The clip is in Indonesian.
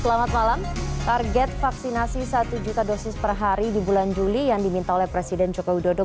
selamat malam target vaksinasi satu juta dosis per hari di bulan juli yang diminta oleh presiden joko widodo